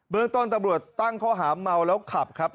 เมืองต้นตำรวจตั้งข้อหาเมาแล้วขับครับ